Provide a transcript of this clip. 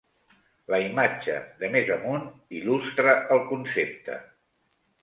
La imatge de més amunt il·lustra el concepte.